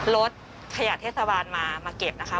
รถขยะเทศบาลมาเก็บนะคะ